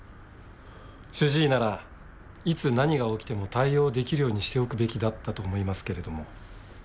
主治医ならいつ何が起きても対応出来るようにしておくべきだったと思いますけれども。